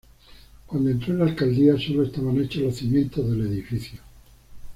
Cuando entró en la alcaldía, sólo estaban hechos los cimientos del edificio.